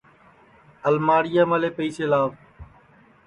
الماڑِیاملے پیئیسے لاو